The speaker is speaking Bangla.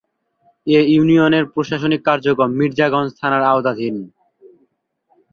এ ইউনিয়নের প্রশাসনিক কার্যক্রম মির্জাগঞ্জ থানার আওতাধীন।